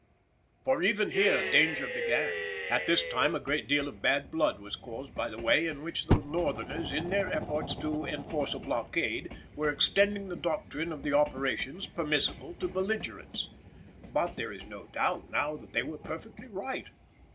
For even here danger began. At this time a great deal of bad blood was caused by the way in which the Northerners in their efforts to enforce a blockade were extending the doctrine of the operations permissible to belligerents. But there is no doubt now that they were perfectly right.